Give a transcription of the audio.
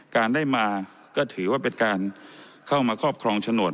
การได้มาก็ถือว่าเป็นการเข้ามาครอบครองโฉนด